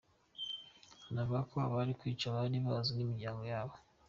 Anavuga ko abari kwica bari bazwi n’imiryango yabo.